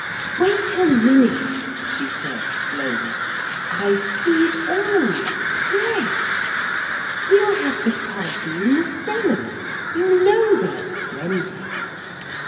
'Wait a minute,' she said slowly. 'I see it all yes we'll have the party in the cellars you know they're splendid.'